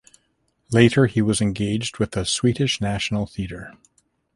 Later he was engaged with the Swedish National Theater.